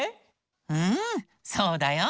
うんそうだよ。